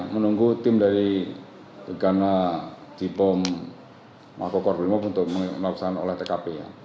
menunggu tim dari tegana jipom mahfokor bremob untuk melaksanakan olah tkp ya